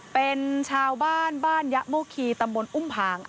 เป็นชาวบ้านบ้านยะโมคีตำบลอุ้มผาง